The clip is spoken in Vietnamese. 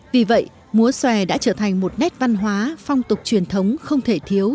vì vậy múa xòe đã trở thành một nét văn hóa phong tục truyền thống không thể thiếu